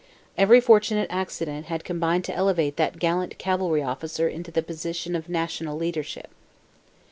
Every fortunate accident had combined to elevate that gallant cavalry officer into the position of national leadership.